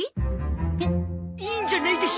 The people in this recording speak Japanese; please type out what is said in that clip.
いいいんじゃないでしょうかお母様。